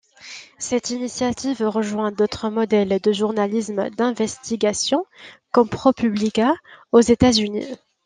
Cette initiative rejoint d'autres modèles de journalisme d'investigation, comme ProPublica aux États-Unis.